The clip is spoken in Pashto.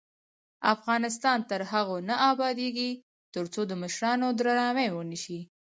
افغانستان تر هغو نه ابادیږي، ترڅو د مشرانو درناوی ونشي.